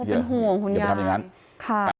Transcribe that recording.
โอ้เป็นห่วงคุณยานอย่าไปทำอย่างนั้น